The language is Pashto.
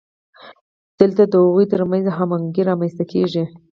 دلته د هغوی ترمنځ هماهنګي رامنځته کیږي.